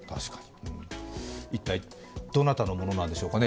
一体、どなたのものなんでしょうかね。